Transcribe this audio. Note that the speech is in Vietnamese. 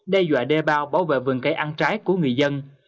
đe dọa đê bao bảo vệ vườn cây ăn trái của người dân